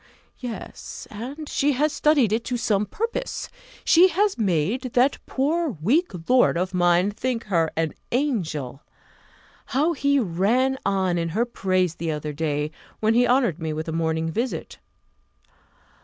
Yes, and she has studied it to some purpose; she has made that poor weak lord of mine think her an angel. How he ran on in her praise the other day, when he honoured me with a morning visit!